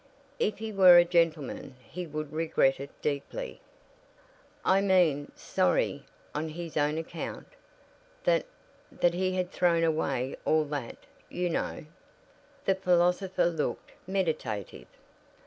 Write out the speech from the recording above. "If he were a gentleman he would regret it deeply." "I mean sorry on his own account; that that he had thrown away all that, you know?" The philosopher looked meditative.